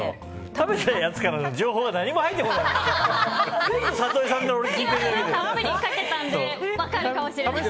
食べたやつからの情報が何も入ってこない。